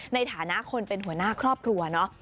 ในฐานะคนเป็นหัวหน้าครอบครัวเนาะ